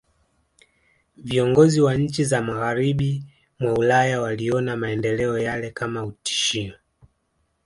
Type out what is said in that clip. Viongozi wa nchi za Magharibi mwa Ulaya waliona maendeleo yale kama tishio